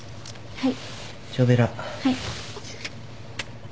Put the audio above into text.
はい。